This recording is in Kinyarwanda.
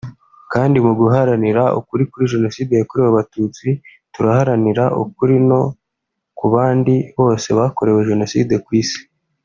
kandi mu guharanira ukuri kuri Jenoside yakorewe Abatutsi turaharanira ukuri no ku bandi bose bakorewe jenoside ku Isi